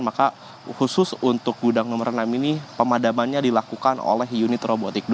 maka khusus untuk gudang nomor enam ini pemadamannya dilakukan oleh unit robotik dua